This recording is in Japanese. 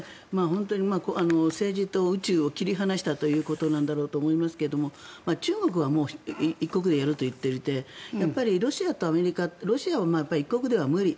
本当に政治と宇宙を切り離したということなんだろうと思いますが中国は一国でやるといっていてロシアとアメリカロシアは一国では無理。